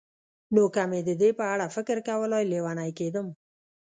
نو که مې د دې په اړه فکر کولای، لېونی کېدم.